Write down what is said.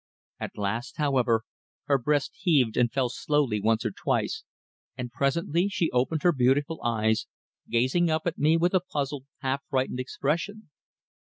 At last, however, her breast heaved and fell slowly once or twice, and presently she opened her beautiful eyes, gazing up at me with a puzzled, half frightened expression.